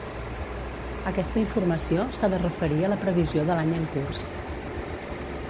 Aquesta informació s'ha de referir a la previsió de l'any en curs.